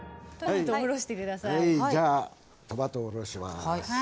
はいじゃあトマトおろします。